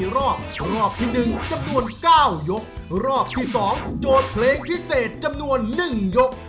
รอบที่หนึ่งจำนวนเก้ายกรอบที่สองโจทย์เพลงพิเศษจำนวนหนึ่งยก